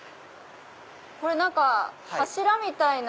これ何か柱みたいな。